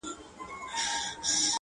• ما مي د خضر په اوبو آیینه ومینځله ,